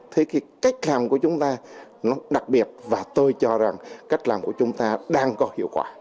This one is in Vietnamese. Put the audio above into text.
thế cái cách làm của chúng ta nó đặc biệt và tôi cho rằng cách làm của chúng ta đang có hiệu quả